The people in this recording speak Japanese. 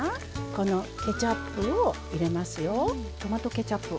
このケチャップを入れますよ。